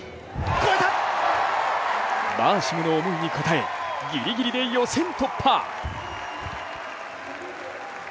バーシムの思いに応え、ギリギリで予選突破。